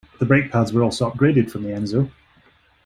The brake pads were also upgraded from the Enzo.